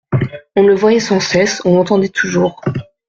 On le voyait sans cesse, on l'entendait toujours.